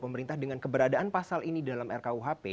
pemerintah dengan keberadaan pasal ini dalam rkuhp